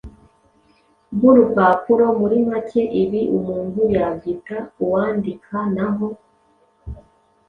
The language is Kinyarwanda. bw’urupapuro. Muri make ibi umuntu yabyita “Uwandika n’aho